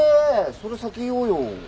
それ先言おうよ。